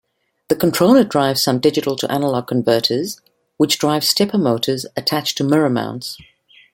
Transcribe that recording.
The controller drives some digital-to-analog converters which drive stepper motors attached to mirror mounts.